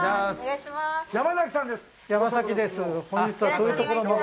山崎さんです。